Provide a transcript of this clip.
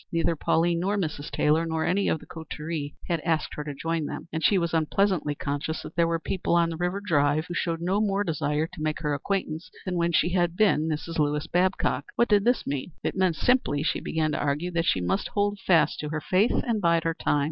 Neither Pauline nor Mrs. Taylor nor any of the coterie had asked her to join them, and she was unpleasantly conscious that there were people on the River Drive who showed no more desire to make her acquaintance than when she had been Mrs. Lewis Babcock. What did this mean? It meant simply she began to argue that she must hold fast to her faith and bide her time.